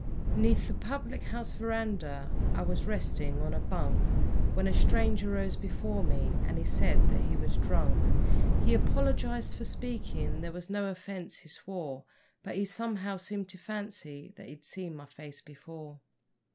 'Neath the public house verandah I was resting on a bunk When a stranger rose before me, and he said that he was drunk; He apologised for speaking; there was no offence, he swore; But he somehow seemed to fancy that he'd seen my face before.